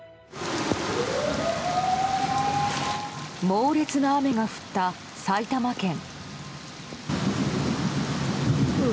猛烈な雨が降った埼玉県。